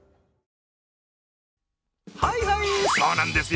はいはーい、そうなんですよ。